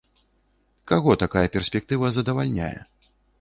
Каго такая перспектыва задавальняе?